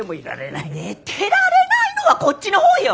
寝てられないのはこっちの方よ！